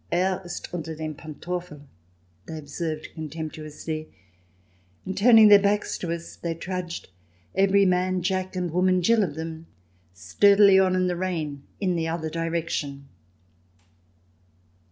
" Er ist unter dem Pantoffel," they observed con temptuously, and turning their backs to us, they trudged, every man Jack and woman Jill of them, sturdily on in the rain in the other direction.